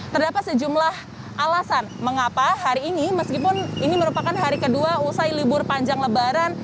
terdapat sejumlah alasan mengapa hari ini meskipun ini merupakan hari kedua usai libur panjang lebaran